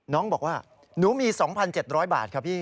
น้องบอกว่าหนูมี๒๗๐๐บาทค่ะพี่